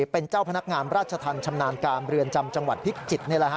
เป็นเจ้าพนักงานราชธรรมชำนาญการเรือนจำจังหวัดพิจิตร